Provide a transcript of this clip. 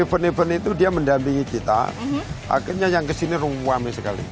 perni perni itu dia mendampingi kita akhirnya yang kesini rumuh amin sekali